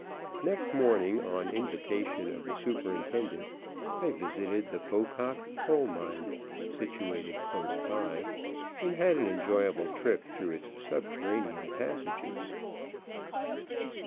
Next morning, on invitation of the superintendent, I visited the Pocock Coal Mine, situated close by, and had an enjoyable trip through its subterranean passages.